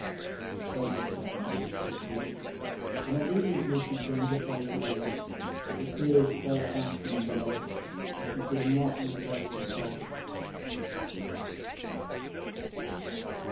"Don't look, darling," he pleaded, and, obediently, she turned her face away, but the tears fell fast, none the less, and she could not repress her sobs.